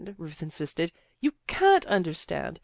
Ruth insisted. ' You can't understand.